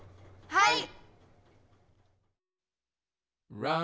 はい！